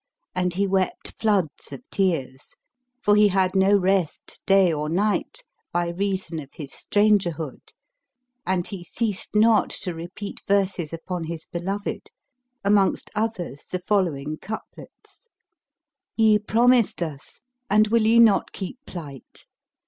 And he wept floods of tears; for he had no rest day or night, by reason of his strangerhood and he ceased not to repeat verses upon his beloved, amongst others the following couplets, "Ye promised us and will ye not keep plight?